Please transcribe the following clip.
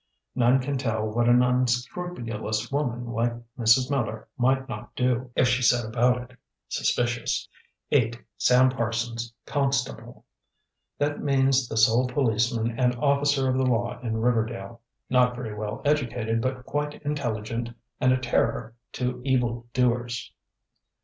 None can tell what an unscrupulous woman like Mrs. Miller might not do, if she set about it. Suspicious. "8. Sam Parsons. Constable. That means the sole policeman and officer of the law in Riverdale. Not very well educated but quite intelligent and a terror to evil doers.